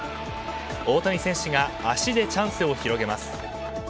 大谷選手が足でチャンスを広げます。